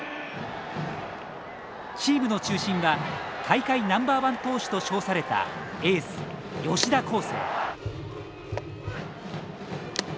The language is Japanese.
チームの中心は大会ナンバーワン投手と称されたエース吉田輝星。